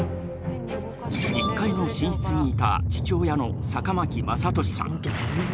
１階の寝室にいた父親の坂牧正敏さん。